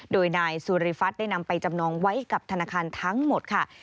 โดยนายสุริฟัฐได้นำไปจำนองไว้กับธนาคารทั้งหมดค่ะ